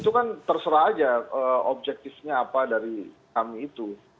itu kan terserah aja objektifnya apa dari kami itu